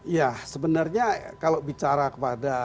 ya sebenarnya kalau bicara kepada